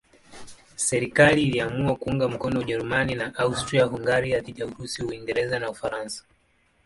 Serikali iliamua kuunga mkono Ujerumani na Austria-Hungaria dhidi ya Urusi, Uingereza na Ufaransa.